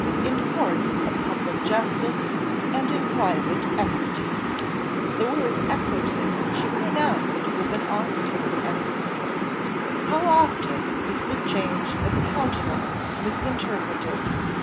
"In courts of public justice, and in private equity," the word equity she pronounced with an austere emphasis, "how often is the change of countenance misinterpreted.